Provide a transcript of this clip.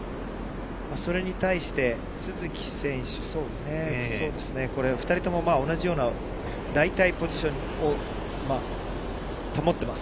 それに対して、都筑選手、そうですね、これ、２人とも同じような大体ポジションを保ってます。